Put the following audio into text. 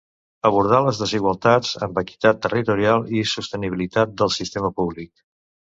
Abordar les desigualtats amb equitat territorial i sostenibilitat del sistema públic.